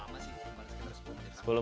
sepuluh menit ya